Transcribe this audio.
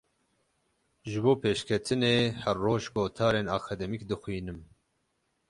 Ji bo pêşketinê her roj gotarên akademîk dixwînim.